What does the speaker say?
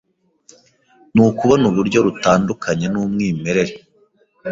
nukubona uburyo rutandukanye numwimerere